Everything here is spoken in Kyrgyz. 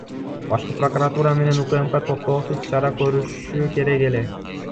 Башкы прокуратура менен УКМК токтоосуз чара көрүшү керек эле.